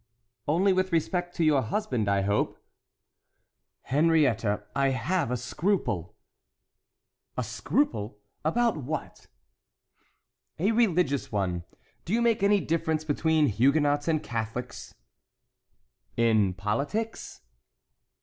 "Only with respect to your husband, I hope." "Henriette, I have a scruple." "A scruple! about what?" "A religious one. Do you make any difference between Huguenots and Catholics?" "In politics?"